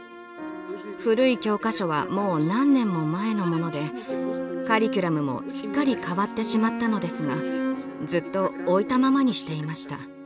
古い教科書はもう何年も前のものでカリキュラムもすっかり変わってしまったのですがずっと置いたままにしていました。